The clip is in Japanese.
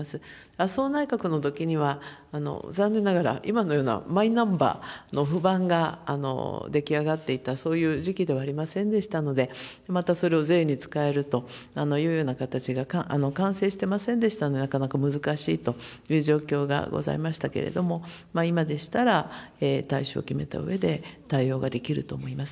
麻生内閣のときには、残念ながら、今のようなマイナンバーの付番が出来上がっていた、そういう時期ではありませんでしたので、またそれを税に使えるというような形で完成していませんでしたので、なかなか難しいという状況がございましたけれども、今でしたら、対象を決めたうえで対応ができると思います。